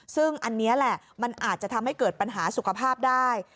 ซึ่งอันนี้แหละมันอาจจะทำให้เกิดปัญหาสุขภาพได้